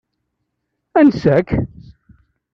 Ansa-k?